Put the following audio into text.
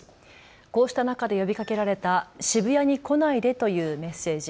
こうした中で呼びかけられた渋谷に来ないでというメッセージ。